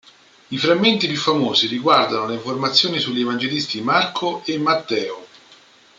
I frammenti più famosi riguardano le informazioni sugli evangelisti Marco e Matteo.